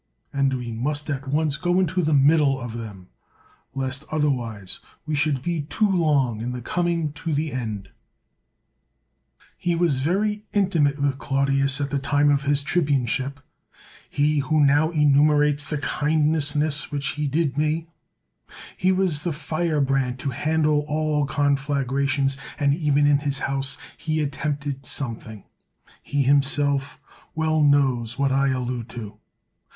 And we must at once go into the middle of them, lest otherwise we should be too long in coming to the end 181 THE WORLD'S FAMOUS ORATIONS He was very intimate with Clodius at the time of his tribuneship — he, who now enumerates the kindnesses which he did me. He was the fire brand to handle all conflagrations; and even in his house he attempted something. He himself well knows what I allude to.